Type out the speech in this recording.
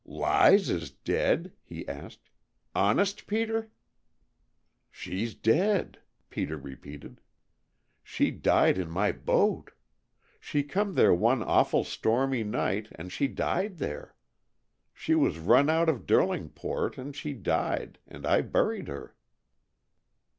"Lize is dead?" he asked. "Honest, Peter?" "She's dead," Peter repeated. "She died in my boat. She come there one awful stormy night, and she died there. She was run out of Derlingport, and she died, and I buried her."